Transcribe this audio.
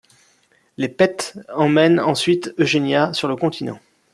Les Pett emmènent ensuite Eugenia sur le continent.